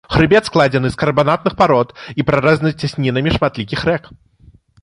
Хрыбет складзены з карбанатных парод і прарэзаны цяснінамі шматлікіх рэк.